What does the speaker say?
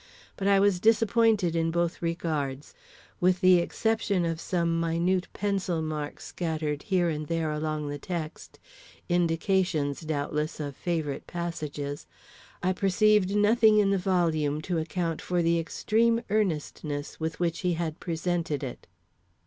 But I was disappointed in both regards. With the exception of some minute pencil marks scattered here and there along the text indications, doubtless, of favorite passages I perceived nothing in the volume to account for the extreme earnestness with which he had presented it.